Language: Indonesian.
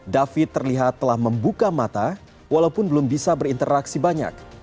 david terlihat telah membuka mata walaupun belum bisa berinteraksi banyak